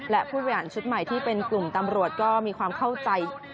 และผู้บริหารชุดใหม่ที่เป็นกลุ่มตำรวจก็มีความเข้าใจ